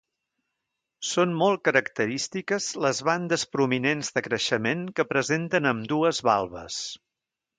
Són molt característiques les bandes prominents de creixement que presenten ambdues valves.